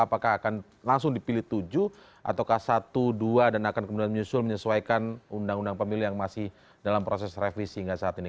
apakah akan langsung dipilih tujuh ataukah satu dua dan akan kemudian menyusul menyesuaikan undang undang pemilih yang masih dalam proses revisi hingga saat ini